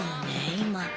今。